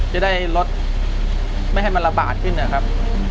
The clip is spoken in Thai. จะได้ลดไม่ให้มันระบาดขึ้นนะครับ